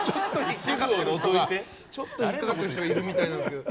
ちょっと引っかかってる人がいるみたいですけど。